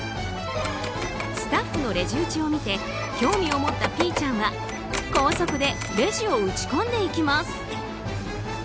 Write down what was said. スタッフのレジ打ちを見て興味を持ったピーちゃんは高速でレジを打ち込んでいきます。